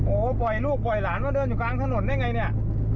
โอ้โหปล่อยลูกปล่อยหลานมาเดินอยู่กลางถนนได้ไงเนี่ย